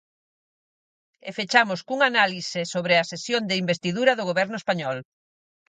E fechamos cunha análise sobre a sesión de investidura do Goberno español.